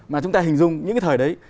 mà chúng ta hình dung những cái thời đấy